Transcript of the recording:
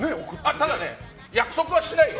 ただね、約束はしないよ。